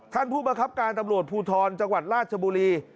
ท่านผู้บังคับการตำรวจภูทรจังหวัดราชบุรี